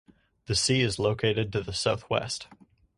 The sea is located to the southwest.